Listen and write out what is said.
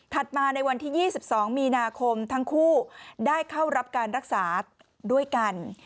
มาในวันที่๒๒มีนาคมทั้งคู่ได้เข้ารับการรักษาด้วยกัน